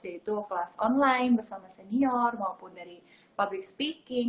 yaitu kelas online bersama senior maupun dari public speaking